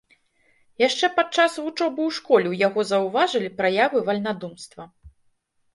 Яшчэ падчас вучобы ў школе ў яго заўважылі праявы вальнадумства.